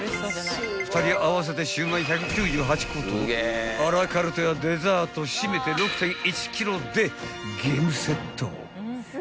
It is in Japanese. ［２人合わせてシウマイ１９８個とアラカルトやデザート締めて６．１ｋｇでゲームセット］